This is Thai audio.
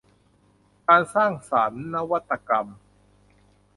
การสร้างสรรค์นวัตกรรม